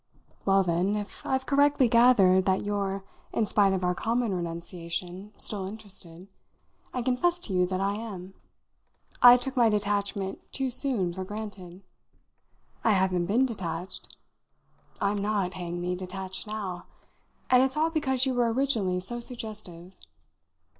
"Well then, if I've correctly gathered that you're, in spite of our common renunciation, still interested, I confess to you that I am. I took my detachment too soon for granted. I haven't been detached. I'm not, hang me! detached now. And it's all because you were originally so suggestive."